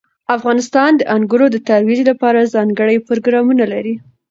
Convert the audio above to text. افغانستان د انګورو د ترویج لپاره ځانګړي پروګرامونه لري.